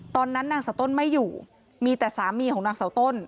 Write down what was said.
ตอนนั้นนางสาวต้นไม่อยู่มีแต่สามีของนางเสาต้น